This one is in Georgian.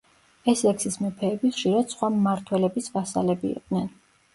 ესექსის მეფეები ხშირად სხვა მმართველების ვასალები იყვნენ.